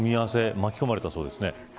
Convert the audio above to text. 巻き込まれたようですね。